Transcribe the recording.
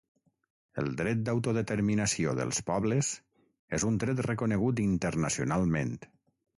El dret d’autodeterminació dels pobles és un dret reconegut internacionalment.